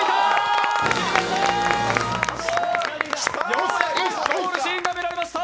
ようやくゴールシーンが見られました。